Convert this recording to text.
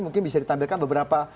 mungkin bisa ditampilkan beberapa